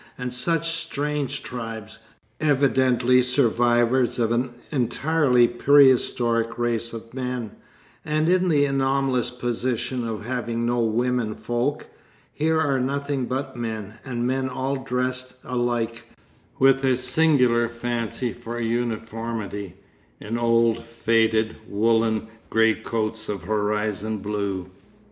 And such strange tribes, evidently survivors of an entirely prehistoric race of men, and in the anomalous position of having no women folk. Here are nothing but men, and men all dressed alike, with a singular fancy for uniformity, in old, faded, woollen great coats of horizon blue.